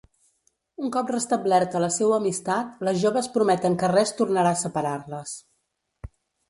Un cop restablerta la seua amistat, les joves prometen que res tornarà a separar-les.